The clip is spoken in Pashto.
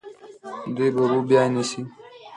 دوی به اوبه بیا نیسي.